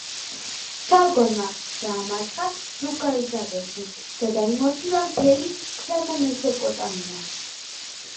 სარგონმა დაამარცხა ლუგალზაგესი და დაიმორჩილა მთელი ქვემო მესოპოტამია.